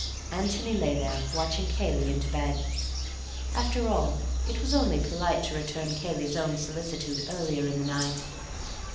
Antony lay there, watching Cayley into bed. After all it was only polite to return Cayley's own solicitude earlier in the night.